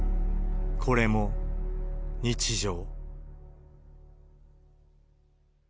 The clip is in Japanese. これも日常。